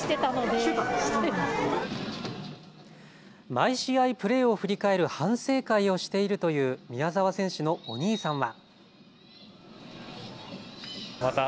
毎試合、プレーを振り返る反省会をしているという宮澤選手のお兄さんは。